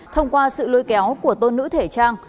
thông qua sự lôi kéo của tôn nữ thể trang